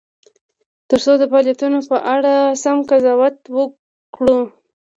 ترڅو د فعالیتونو په اړه سم قضاوت وکړو.